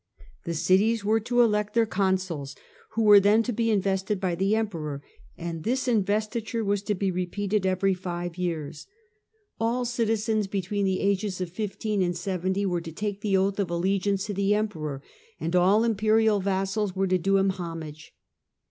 The cities were to elect their consuls, who were then to be invested by the Emperor, and this investiture was to be repeated every 166 THE CENTRAL PERIOD OF THE MIDDLE AGE five years. All citizens between the ages of fifteen and seventy were to take the oath of allegiance to the Emperor and all imperial vassals were to do him homage.